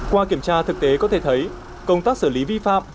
qua kiểm tra thực tế có thể thấy công tác xử lý vi phạm